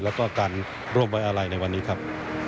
แล้วก็การร่วมวัยอาลัยในวันนี้ครับ